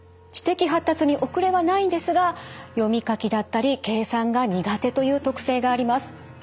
知的発達に遅れはないんですが読み書きだったり計算が苦手という特性があります。